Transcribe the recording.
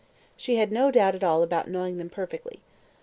She had no doubt at all about knowing them perfectly.